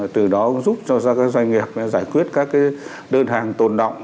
từ đó giúp cho các doanh nghiệp giải quyết các đơn hàng tồn động